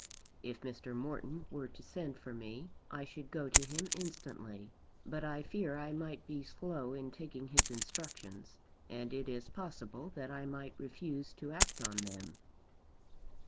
"If Mr. Morton were to send for me, I should go to him instantly. But I fear I might be slow in taking his instructions; and it is possible that I might refuse to act on them."